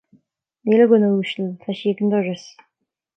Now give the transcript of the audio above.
Níl, a dhuine uasail, tá sí ag an doras